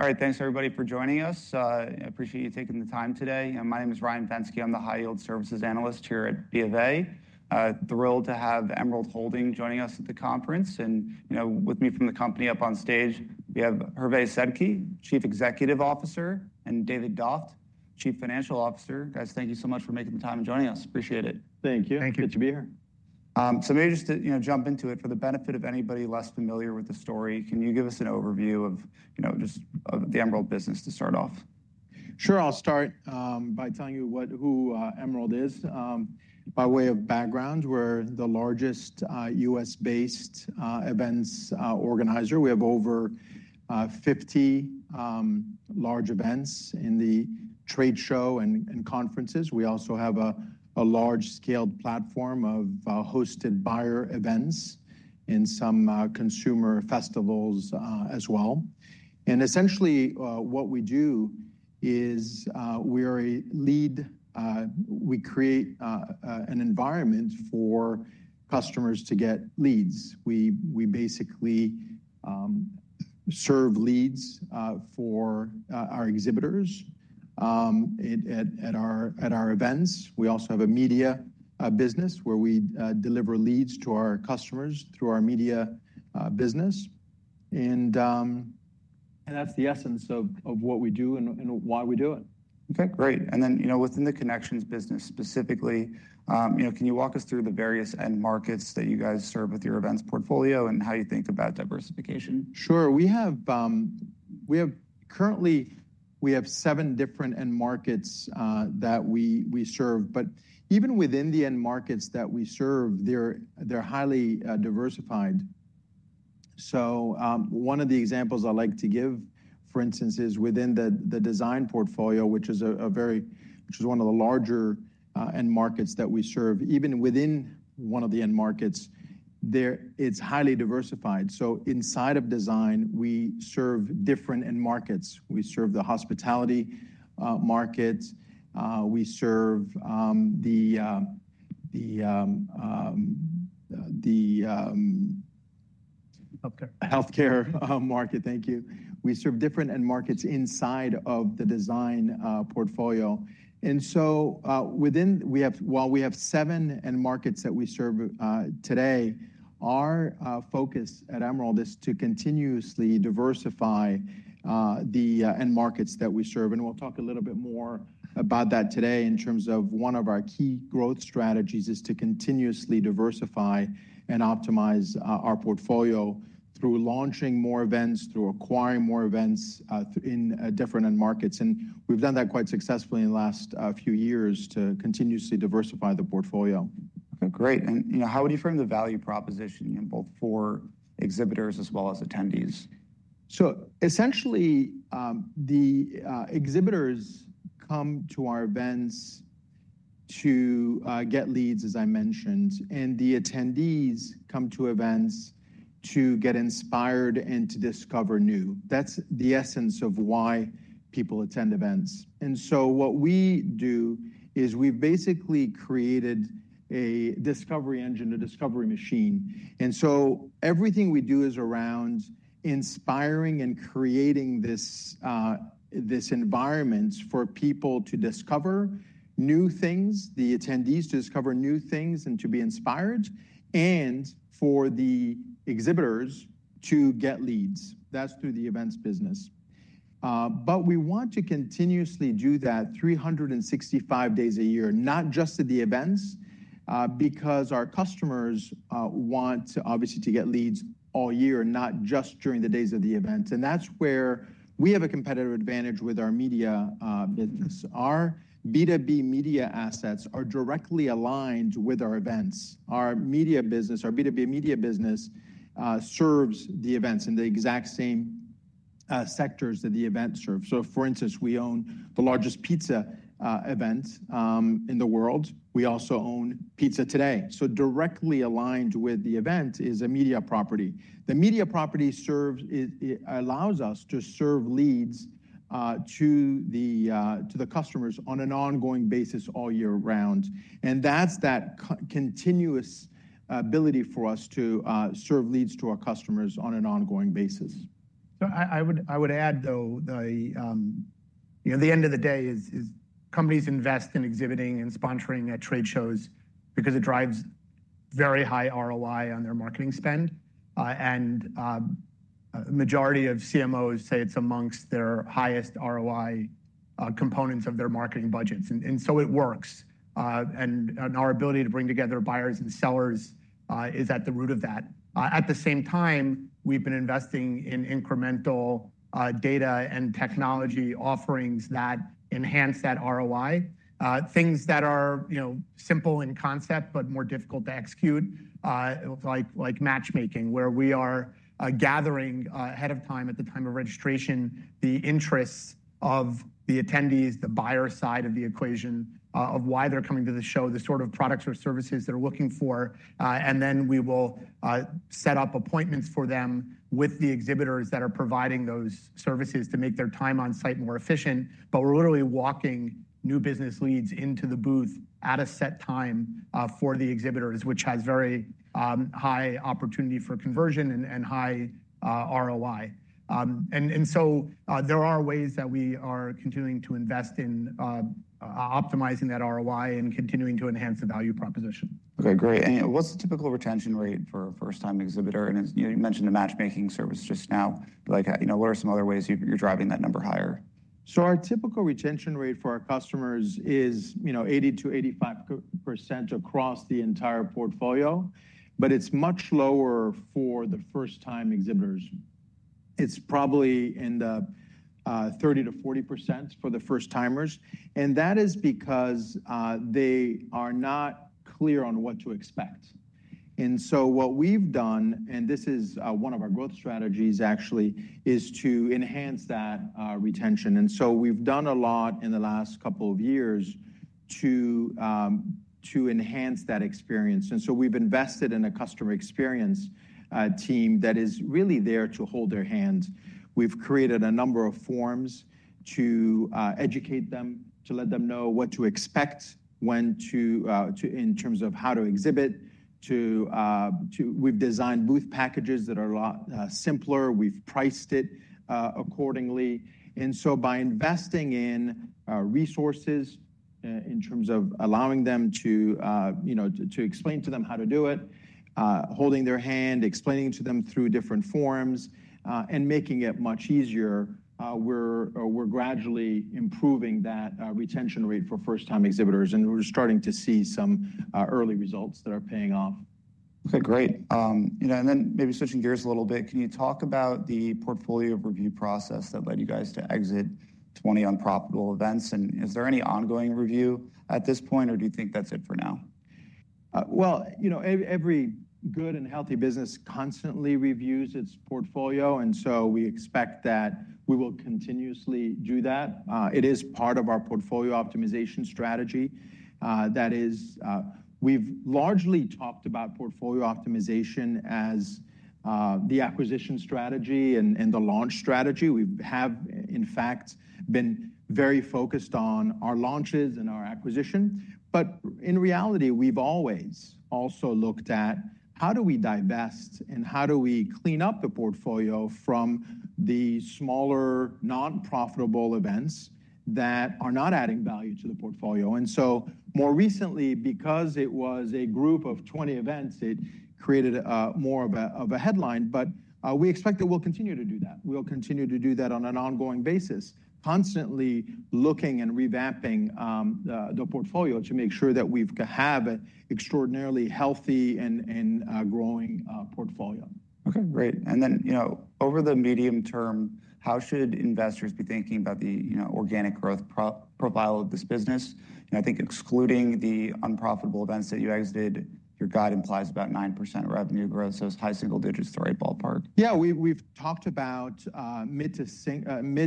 All right, thanks everybody for joining us. I appreciate you taking the time today. My name is Ryan Fenske. I'm the high-yield services analyst here at B of A. Thrilled to have Emerald Holding joining us at the conference, and with me from the company up on stage, we have Hervé Sedky, Chief Executive Officer, and David Doft, Chief Financial Officer. Guys, thank you so much for making the time and joining us. Appreciate it. Thank you. Thank you. Good to be here. So maybe just to jump into it, for the benefit of anybody less familiar with the story, can you give us an overview of just the Emerald business to start off? Sure. I'll start by telling you who Emerald is. By way of background, we're the largest U.S.-based events organizer. We have over 50 large events in the trade show and conferences. We also have a large-scale platform of hosted buyer events in some consumer festivals as well. And essentially, what we do is we create an environment for customers to get leads. We basically serve leads for our exhibitors at our events. We also have a media business where we deliver leads to our customers through our media business. And that's the essence of what we do and why we do it. OK, great, and then within the connections business specifically, can you walk us through the various end markets that you guys serve with your events portfolio and how you think about diversification? Sure. Currently, we have seven different end markets that we serve. But even within the end markets that we serve, they're highly diversified. So one of the examples I like to give, for instance, is within the design portfolio, which is one of the larger end markets that we serve. Even within one of the end markets, it's highly diversified. So inside of design, we serve different end markets. We serve the hospitality market. We serve the. Health care. Health care market. Thank you. We serve different end markets inside of the design portfolio. And so while we have seven end markets that we serve today, our focus at Emerald is to continuously diversify the end markets that we serve. And we'll talk a little bit more about that today in terms of one of our key growth strategies is to continuously diversify and optimize our portfolio through launching more events, through acquiring more events in different end markets. And we've done that quite successfully in the last few years to continuously diversify the portfolio. OK, great. And how would you frame the value proposition, both for exhibitors as well as attendees? So essentially, the exhibitors come to our events to get leads, as I mentioned. And the attendees come to events to get inspired and to discover new. That's the essence of why people attend events. And so what we do is we've basically created a discovery engine, a discovery machine. And so everything we do is around inspiring and creating this environment for people to discover new things, the attendees to discover new things and to be inspired, and for the exhibitors to get leads. That's through the events business. But we want to continuously do that 365 days a year, not just at the events, because our customers want obviously to get leads all year, not just during the days of the events. And that's where we have a competitive advantage with our media business. Our B2B media assets are directly aligned with our events. Our media business, our B2B media business, serves the events in the exact same sectors that the events serve. So for instance, we own the largest pizza event in the world. We also own Pizza Today. So directly aligned with the event is a media property. The media property allows us to serve leads to the customers on an ongoing basis all year round, and that's that continuous ability for us to serve leads to our customers on an ongoing basis. So I would add, though, at the end of the day, companies invest in exhibiting and sponsoring at trade shows because it drives very high ROI on their marketing spend. And the majority of CMOs say it's among their highest ROI components of their marketing budgets. And so it works. And our ability to bring together buyers and sellers is at the root of that. At the same time, we've been investing in incremental data and technology offerings that enhance that ROI. Things that are simple in concept but more difficult to execute, like matchmaking, where we are gathering ahead of time at the time of registration the interests of the attendees, the buyer side of the equation, of why they're coming to the show, the sort of products or services they're looking for. And then we will set up appointments for them with the exhibitors that are providing those services to make their time on site more efficient. But we're literally walking new business leads into the booth at a set time for the exhibitors, which has very high opportunity for conversion and high ROI. And so there are ways that we are continuing to invest in optimizing that ROI and continuing to enhance the value proposition. OK. Great. And what's the typical retention rate for a first-time exhibitor? And you mentioned a matchmaking service just now. What are some other ways you're driving that number higher? Our typical retention rate for our customers is 80%-85% across the entire portfolio. But it's much lower for the first-time exhibitors. It's probably in the 30%-40% for the first-timers. And that is because they are not clear on what to expect. And so what we've done, and this is one of our growth strategies, actually, is to enhance that retention. And so we've done a lot in the last couple of years to enhance that experience. And so we've invested in a customer experience team that is really there to hold their hand. We've created a number of forms to educate them, to let them know what to expect in terms of how to exhibit. We've designed booth packages that are a lot simpler. We've priced it accordingly. And so by investing in resources in terms of allowing them to explain to them how to do it, holding their hand, explaining to them through different forms, and making it much easier, we're gradually improving that retention rate for first-time exhibitors. And we're starting to see some early results that are paying off. OK, great. And then maybe switching gears a little bit, can you talk about the portfolio review process that led you guys to exit 20 unprofitable events? And is there any ongoing review at this point, or do you think that's it for now? Every good and healthy business constantly reviews its portfolio. And so we expect that we will continuously do that. It is part of our portfolio optimization strategy. That is, we've largely talked about portfolio optimization as the acquisition strategy and the launch strategy. We have, in fact, been very focused on our launches and our acquisition. But in reality, we've always also looked at how do we divest and how do we clean up the portfolio from the smaller nonprofitable events that are not adding value to the portfolio. And so more recently, because it was a group of 20 events, it created more of a headline. But we expect that we'll continue to do that. We'll continue to do that on an ongoing basis, constantly looking and revamping the portfolio to make sure that we have an extraordinarily healthy and growing portfolio. OK, great. And then over the medium term, how should investors be thinking about the organic growth profile of this business? I think excluding the unprofitable events that you exited, your guide implies about 9% revenue growth. So it's high single digits to right ballpark. Yeah, we've talked about mid-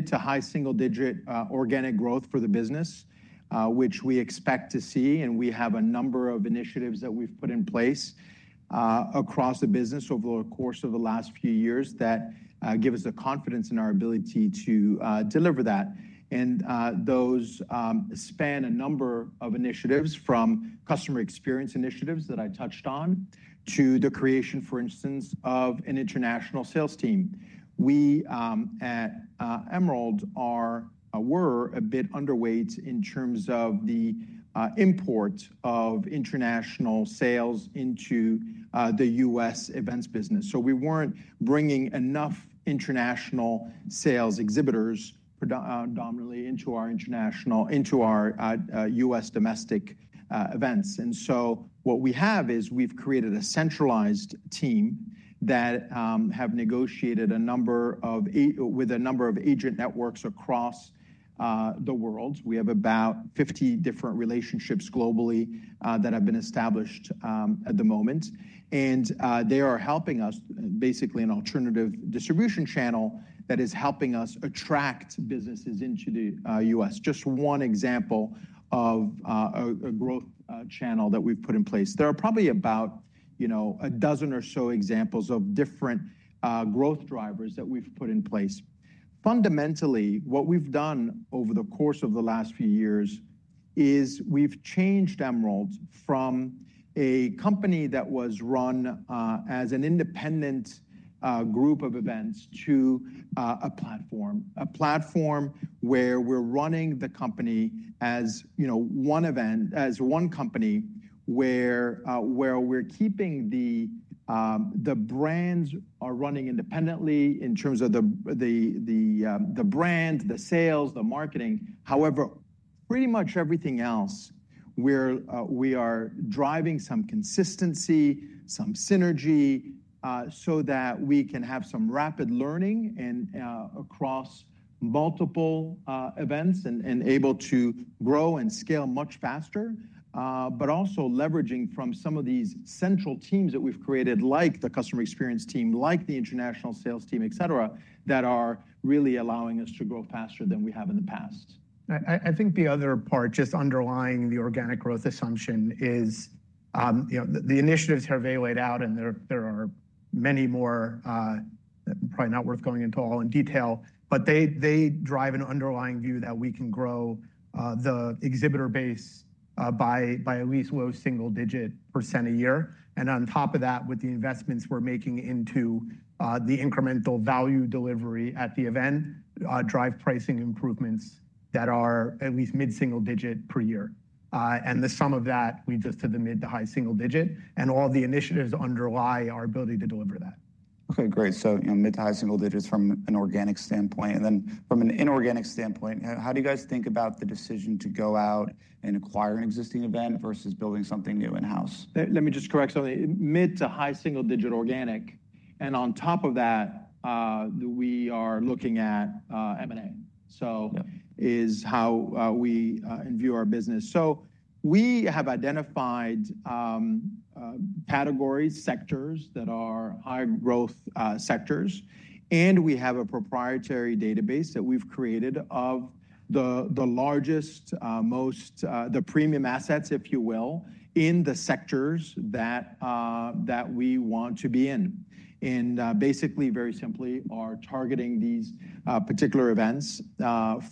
to high-single-digit organic growth for the business, which we expect to see, and we have a number of initiatives that we've put in place across the business over the course of the last few years that give us the confidence in our ability to deliver that, and those span a number of initiatives, from customer experience initiatives that I touched on to the creation, for instance, of an international sales team. We at Emerald were a bit underweight in terms of the import of international sales into the U.S. events business. So we weren't bringing enough international sales exhibitors predominantly into our U.S. domestic events, and so what we have is we've created a centralized team that have negotiated with a number of agent networks across the world. We have about 50 different relationships globally that have been established at the moment. And they are helping us, basically an alternative distribution channel that is helping us attract businesses into the U.S. Just one example of a growth channel that we've put in place. There are probably about a dozen or so examples of different growth drivers that we've put in place. Fundamentally, what we've done over the course of the last few years is we've changed Emerald from a company that was run as an independent group of events to a platform, a platform where we're running the company as one company, where we're keeping the brands running independently in terms of the brand, the sales, the marketing. However, pretty much everything else, we are driving some consistency, some synergy, so that we can have some rapid learning across multiple events and able to grow and scale much faster, but also leveraging from some of these central teams that we've created, like the customer experience team, like the international sales team, et cetera, that are really allowing us to grow faster than we have in the past. I think the other part, just underlying the organic growth assumption, is the initiatives have already laid out, and there are many more probably not worth going into all in detail. But they drive an underlying view that we can grow the exhibitor base by at least low single-digit percent a year. And on top of that, with the investments we're making into the incremental value delivery at the event, drive pricing improvements that are at least mid-single-digit per year. And the sum of that leads us to the mid- to high-single-digit. And all the initiatives underlie our ability to deliver that. OK, great. So mid to high-single-digits from an organic standpoint. And then from an inorganic standpoint, how do you guys think about the decision to go out and acquire an existing event versus building something new in-house? Let me just correct something. Mid- to high-single-digit organic. And on top of that, we are looking at M&A, so is how we view our business. So we have identified categories, sectors that are high growth sectors. And we have a proprietary database that we've created of the largest, most premium assets, if you will, in the sectors that we want to be in. And basically, very simply, are targeting these particular events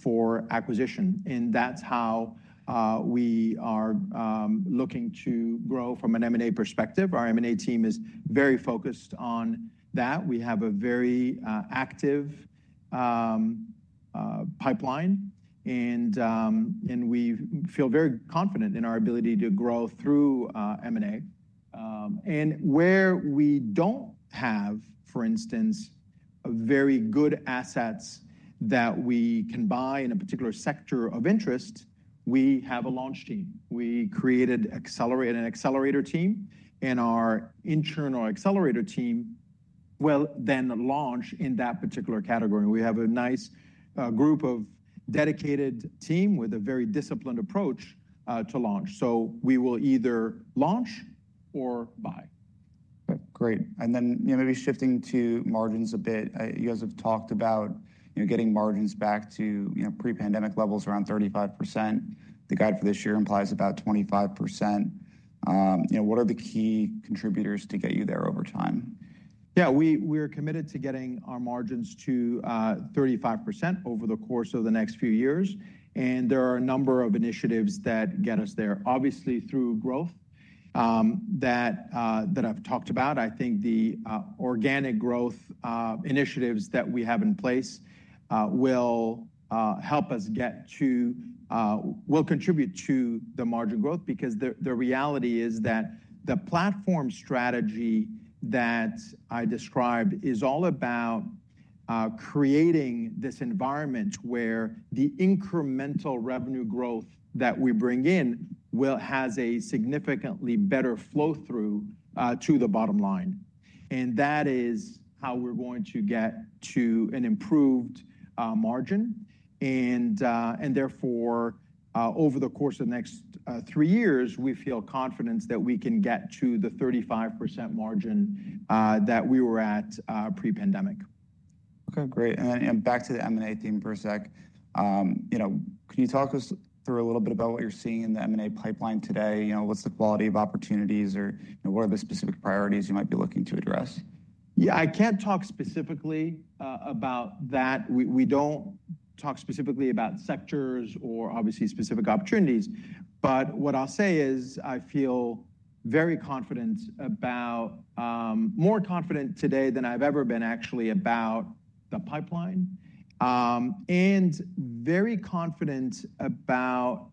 for acquisition. And that's how we are looking to grow from an M&A perspective. Our M&A team is very focused on that. We have a very active pipeline. And we feel very confident in our ability to grow through M&A. And where we don't have, for instance, very good assets that we can buy in a particular sector of interest, we have a launch team. We created an accelerator team. Our internal accelerator team will then launch in that particular category. We have a nice group of dedicated team with a very disciplined approach to launch. We will either launch or buy. Great. And then maybe shifting to margins a bit. You guys have talked about getting margins back to pre-pandemic levels, around 35%. The guide for this year implies about 25%. What are the key contributors to get you there over time? Yeah, we are committed to getting our margins to 35% over the course of the next few years. And there are a number of initiatives that get us there, obviously through growth that I've talked about. I think the organic growth initiatives that we have in place will contribute to the margin growth, because the reality is that the platform strategy that I described is all about creating this environment where the incremental revenue growth that we bring in has a significantly better flow through to the bottom line. And that is how we're going to get to an improved margin. And therefore, over the course of the next three years, we feel confident that we can get to the 35% margin that we were at pre-pandemic. OK, great. And back to the M&A theme for a sec. Can you talk us through a little bit about what you're seeing in the M&A pipeline today? What's the quality of opportunities, or what are the specific priorities you might be looking to address? Yeah, I can't talk specifically about that. We don't talk specifically about sectors or obviously specific opportunities. But what I'll say is I feel very confident about more confident today than I've ever been, actually, about the pipeline and very confident about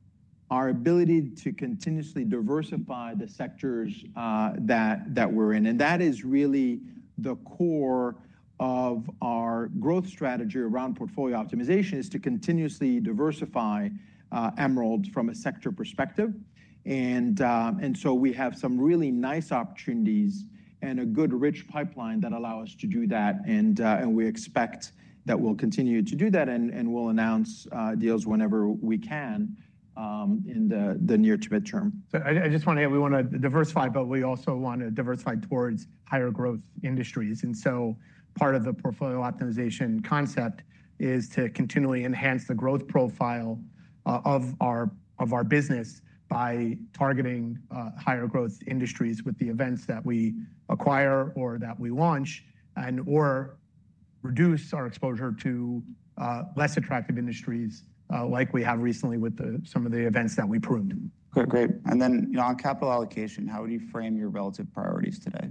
our ability to continuously diversify the sectors that we're in. And that is really the core of our growth strategy around portfolio optimization, is to continuously diversify Emerald from a sector perspective. And so we have some really nice opportunities and a good rich pipeline that allow us to do that. And we expect that we'll continue to do that and we'll announce deals whenever we can in the near to midterm. We want to diversify, but we also want to diversify towards higher growth industries. Part of the portfolio optimization concept is to continually enhance the growth profile of our business by targeting higher growth industries with the events that we acquire or that we launch and/or reduce our exposure to less attractive industries, like we have recently with some of the events that we pruned. OK. Great. On capital allocation, how would you frame your relative priorities today?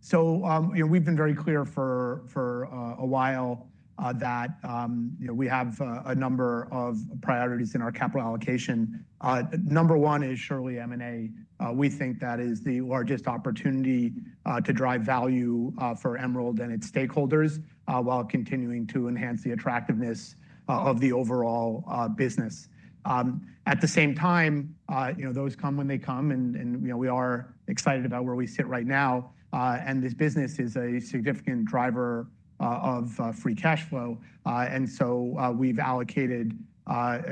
So we've been very clear for a while that we have a number of priorities in our capital allocation. Number one is surely M&A. We think that is the largest opportunity to drive value for Emerald and its stakeholders while continuing to enhance the attractiveness of the overall business. At the same time, those come when they come. And we are excited about where we sit right now. And this business is a significant driver of free cash flow. And so we've allocated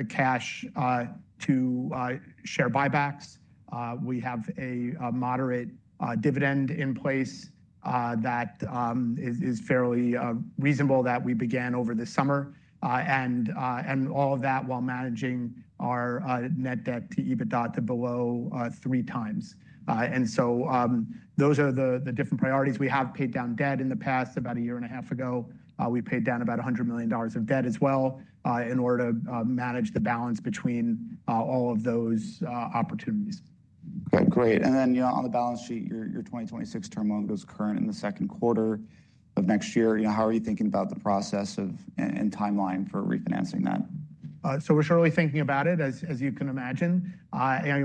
cash to share buybacks. We have a moderate dividend in place that is fairly reasonable that we began over the summer. And all of that while managing our net debt to EBITDA to below three times. And so those are the different priorities. We have paid down debt in the past. About a year and a half ago, we paid down about $100 million of debt as well in order to manage the balance between all of those opportunities. OK, great. And then on the balance sheet, your 2026 term loan goes current in the second quarter of next year. How are you thinking about the process and timeline for refinancing that? So we're surely thinking about it, as you can imagine.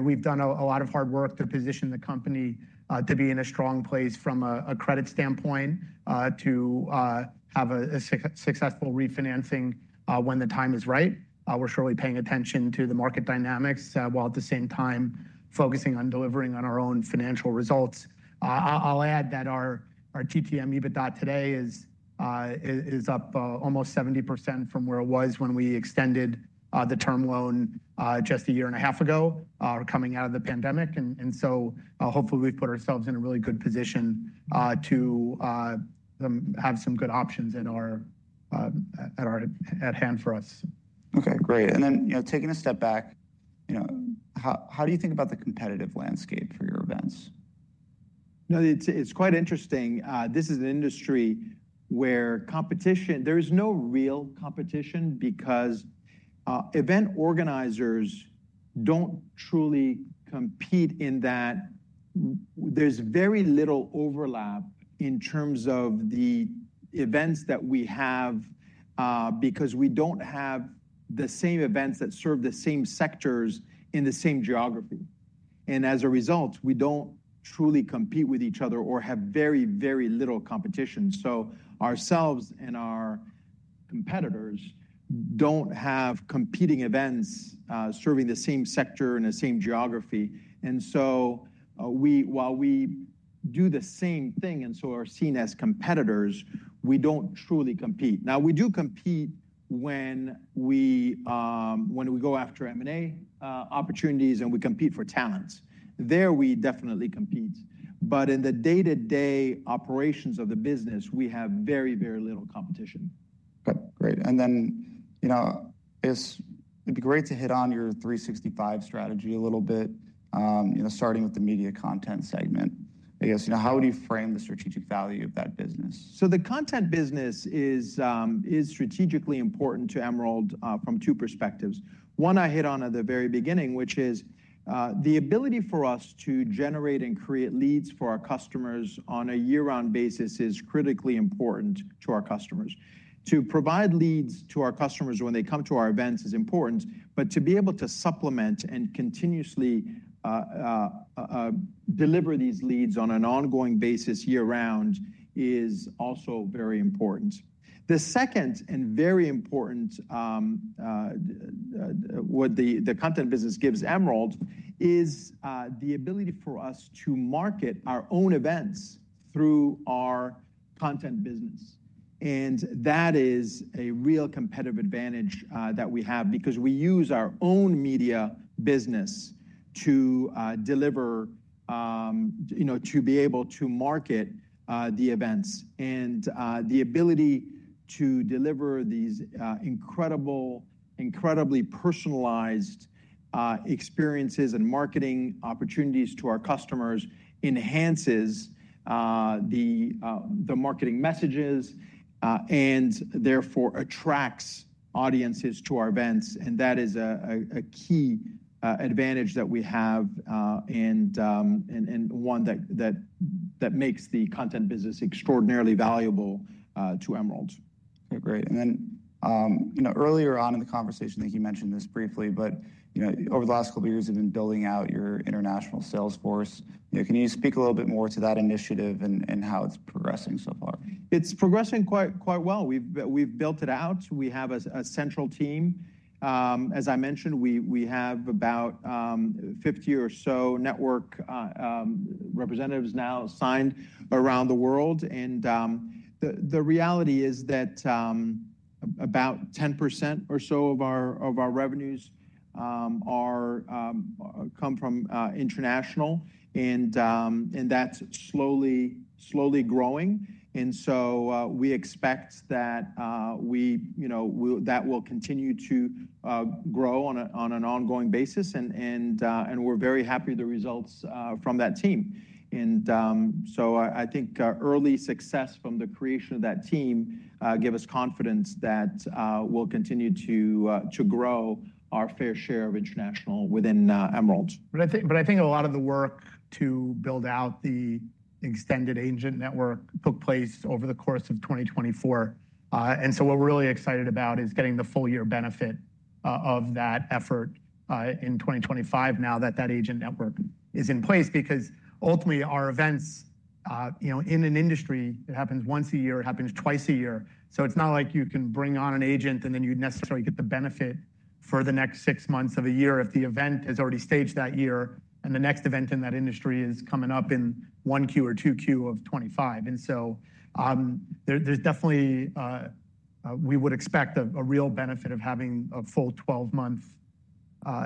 We've done a lot of hard work to position the company to be in a strong place from a credit standpoint to have a successful refinancing when the time is right. We're surely paying attention to the market dynamics while at the same time focusing on delivering on our own financial results. I'll add that our LTM EBITDA today is up almost 70% from where it was when we extended the term loan just a year and a half ago coming out of the pandemic. And so hopefully, we've put ourselves in a really good position to have some good options at our hand for us. OK, great. And then taking a step back, how do you think about the competitive landscape for your events? It's quite interesting. This is an industry where, competition, there is no real competition because event organizers don't truly compete in that. There's very little overlap in terms of the events that we have because we don't have the same events that serve the same sectors in the same geography, and as a result, we don't truly compete with each other or have very, very little competition, so ourselves and our competitors don't have competing events serving the same sector in the same geography, and so while we do the same thing and so are seen as competitors, we don't truly compete. Now, we do compete when we go after M&A opportunities and we compete for talents, there we definitely compete, but in the day-to-day operations of the business, we have very, very little competition. OK, great. And then it'd be great to hit on your 365 strategy a little bit, starting with the media content segment. I guess, how would you frame the strategic value of that business? So the content business is strategically important to Emerald from two perspectives. One I hit on at the very beginning, which is the ability for us to generate and create leads for our customers on a year-round basis is critically important to our customers. To provide leads to our customers when they come to our events is important. But to be able to supplement and continuously deliver these leads on an ongoing basis year-round is also very important. The second and very important what the content business gives Emerald is the ability for us to market our own events through our content business. And that is a real competitive advantage that we have because we use our own media business to deliver to be able to market the events. And the ability to deliver these incredible, incredibly personalized experiences and marketing opportunities to our customers enhances the marketing messages and therefore attracts audiences to our events. And that is a key advantage that we have and one that makes the content business extraordinarily valuable to Emerald. OK, great, and then earlier on in the conversation, I think you mentioned this briefly, but over the last couple of years, you've been building out your international sales force. Can you speak a little bit more to that initiative and how it's progressing so far? It's progressing quite well. We've built it out. We have a central team. As I mentioned, we have about 50 or so network representatives now assigned around the world, and the reality is that about 10% or so of our revenues come from international, and that's slowly growing, and so we expect that that will continue to grow on an ongoing basis, and we're very happy with the results from that team, and so I think early success from the creation of that team gave us confidence that we'll continue to grow our fair share of international within Emerald, but I think a lot of the work to build out the extended agent network took place over the course of 2024, and so what we're really excited about is getting the full year benefit of that effort in 2025 now that that agent network is in place. Because ultimately, our events in an industry, it happens once a year. It happens twice a year. So it's not like you can bring on an agent and then you'd necessarily get the benefit for the next six months of a year if the event has already staged that year and the next event in that industry is coming up in Q1 or Q2 of 2025. And so there's definitely we would expect a real benefit of having a full 12-month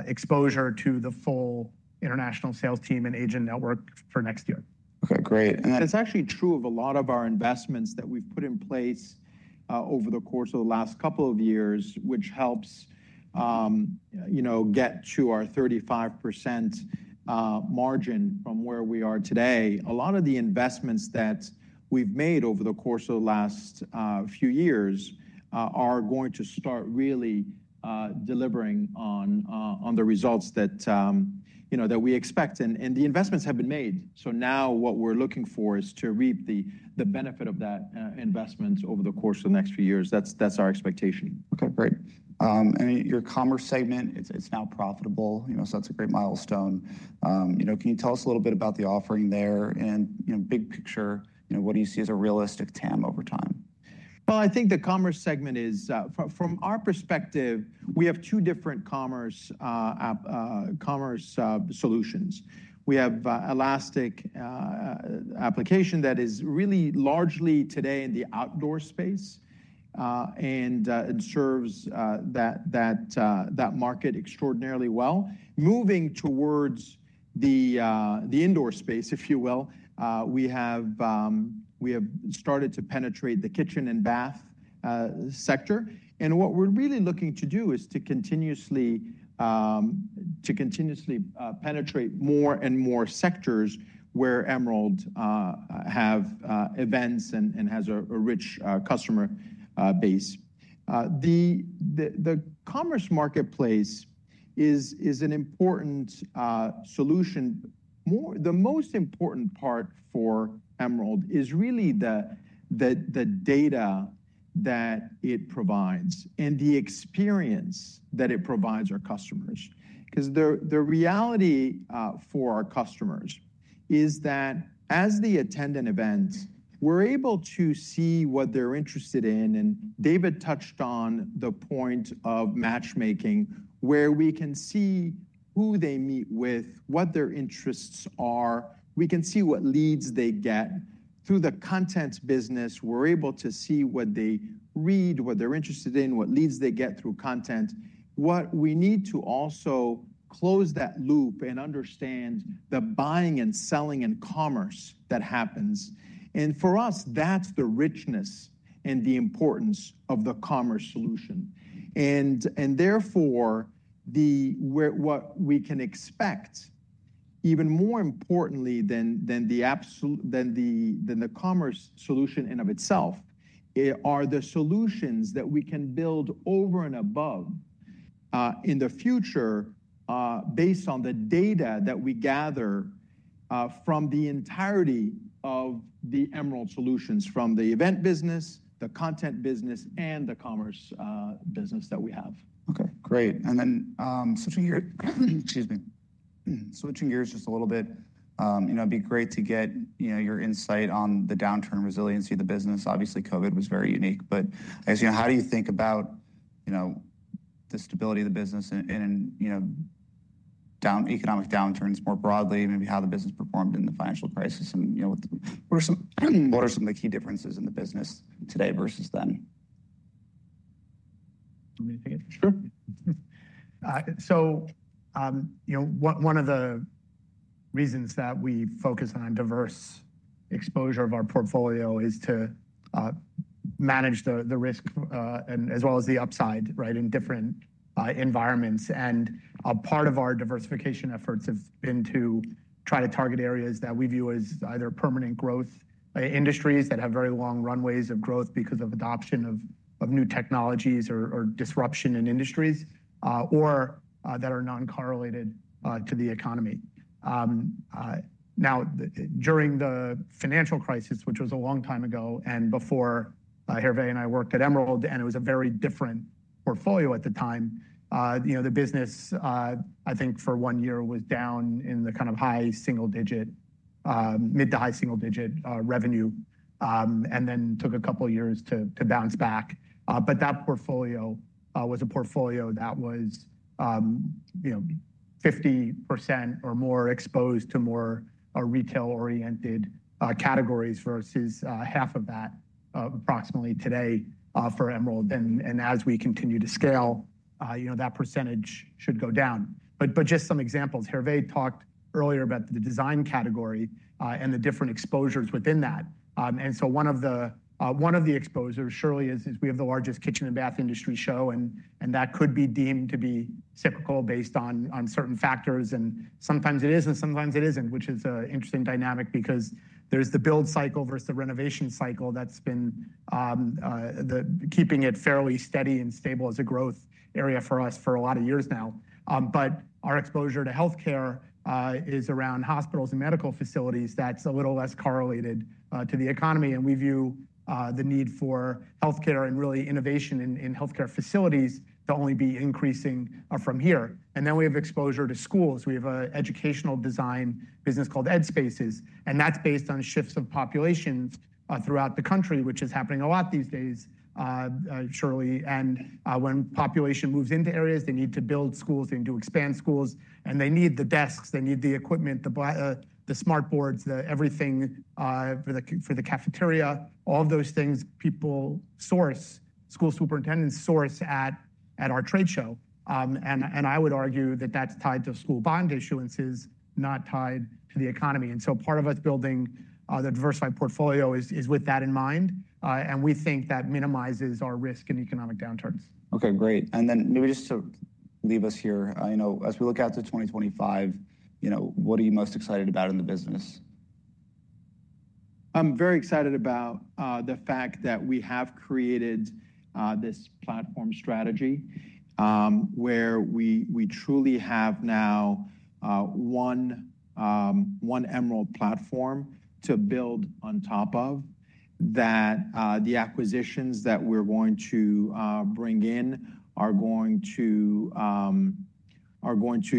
exposure to the full international sales team and agent network for next year. OK, great. And that's actually true of a lot of our investments that we've put in place over the course of the last couple of years, which helps get to our 35% margin from where we are today. A lot of the investments that we've made over the course of the last few years are going to start really delivering on the results that we expect. And the investments have been made. So now what we're looking for is to reap the benefit of that investment over the course of the next few years. That's our expectation. OK, great. And your commerce segment, it's now profitable. So that's a great milestone. Can you tell us a little bit about the offering there? And big picture, what do you see as a realistic TAM over time? I think the commerce segment is from our perspective, we have two different commerce solutions. We have Elastic application that is really largely today in the outdoor space and serves that market extraordinarily well. Moving towards the indoor space, if you will, we have started to penetrate the kitchen and bath sector, and what we're really looking to do is to continuously penetrate more and more sectors where Emerald has events and has a rich customer base. The commerce marketplace is an important solution. The most important part for Emerald is really the data that it provides and the experience that it provides our customers. Because the reality for our customers is that as they attend an event, we're able to see what they're interested in, and David touched on the point of matchmaking, where we can see who they meet with, what their interests are. We can see what leads they get. Through the content business, we're able to see what they read, what they're interested in, what leads they get through content. What we need to also close that loop and understand the buying and selling and commerce that happens. And for us, that's the richness and the importance of the commerce solution. And therefore, what we can expect, even more importantly than the commerce solution in and of itself, are the solutions that we can build over and above in the future based on the data that we gather from the entirety of the Emerald solutions, from the event business, the content business, and the commerce business that we have. OK, great, and then switching gears, excuse me. Switching gears just a little bit. It'd be great to get your insight on the downturn resiliency of the business. Obviously, COVID was very unique, but how do you think about the stability of the business and economic downturns more broadly, maybe how the business performed in the financial crisis, and what are some of the key differences in the business today versus then? Let me think. Sure. So one of the reasons that we focus on diverse exposure of our portfolio is to manage the risk as well as the upside in different environments. And part of our diversification efforts have been to try to target areas that we view as either permanent growth industries that have very long runways of growth because of adoption of new technologies or disruption in industries or that are non-correlated to the economy. Now, during the financial crisis, which was a long time ago and before Hervé and I worked at Emerald, and it was a very different portfolio at the time, the business, I think for one year, was down in the kind of high single-digit, mid to high single-digit revenue. And then took a couple of years to bounce back. But that portfolio was a portfolio that was 50% or more exposed to more retail-oriented categories versus half of that approximately today for Emerald. And as we continue to scale, that percentage should go down. But just some examples. Hervé talked earlier about the design category and the different exposures within that. And so one of the exposures surely is we have the largest Kitchen & Bath Industry Show. And that could be deemed to be cyclical based on certain factors. And sometimes it is, and sometimes it isn't, which is an interesting dynamic because there's the build cycle versus the renovation cycle that's been keeping it fairly steady and stable as a growth area for us for a lot of years now. But our exposure to health care is around hospitals and medical facilities. That's a little less correlated to the economy. And we view the need for health care and really innovation in health care facilities to only be increasing from here. And then we have exposure to schools. We have an educational design business called EdSpaces. And that's based on shifts of populations throughout the country, which is happening a lot these days, surely. And when population moves into areas, they need to build schools. They need to expand schools. And they need the desks. They need the equipment, the smart boards, everything for the cafeteria. All of those things people source, school superintendents source at our trade show. And I would argue that that's tied to school bond issuances, not tied to the economy. And so part of us building the diversified portfolio is with that in mind. And we think that minimizes our risk in economic downturns. OK, great. And then maybe just to leave us here, as we look out to 2025, what are you most excited about in the business? I'm very excited about the fact that we have created this platform strategy where we truly have now one Emerald platform to build on top of, that the acquisitions that we're going to bring in are going to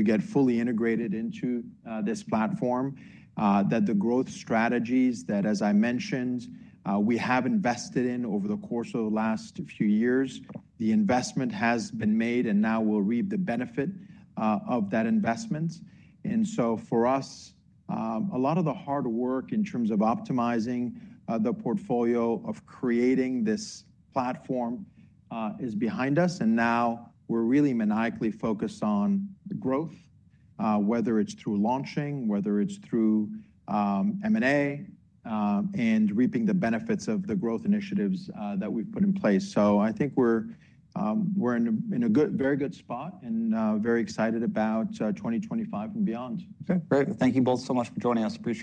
get fully integrated into this platform, that the growth strategies that, as I mentioned, we have invested in over the course of the last few years, the investment has been made. And now we'll reap the benefit of that investment. And so for us, a lot of the hard work in terms of optimizing the portfolio of creating this platform is behind us. And now we're really maniacally focused on growth, whether it's through launching, whether it's through M&A, and reaping the benefits of the growth initiatives that we've put in place. So I think we're in a very good spot and very excited about 2025 and beyond. OK, great. Thank you both so much for joining us. Appreciate it.